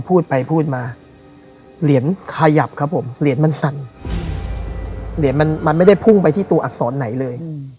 พูดไปพูดมาเหรียญขยับครับผมเหรียญมันสั่นเหรียญมันมันไม่ได้พุ่งไปที่ตัวอักษรไหนเลย